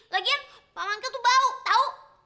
lagian pak mangkil tuh bau tau